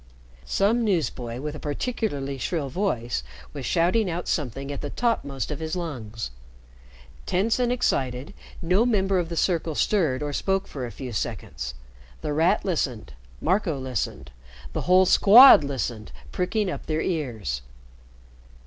Some newsboy with a particularly shrill voice was shouting out something at the topmost of his lungs. Tense and excited, no member of the circle stirred or spoke for a few seconds. The Rat listened, Marco listened, the whole Squad listened, pricking up their ears.